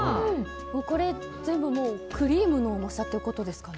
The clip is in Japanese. これ全部クリームの重さということですか。